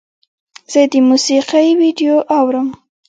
زه د موسیقۍ ویډیو اورم.